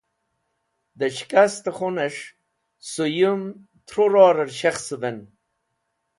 da shikast khunes̃h suyum thru ror'er shekhsuven